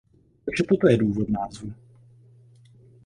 Takže toto je důvod názvu...